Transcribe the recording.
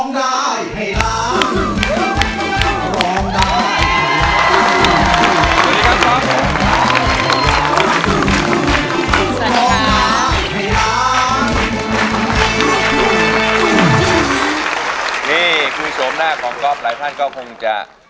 นี่คือโฉมหน้าของก๊อฟหลายท่านก็คงจะ